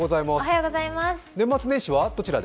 年末年始はどちらで？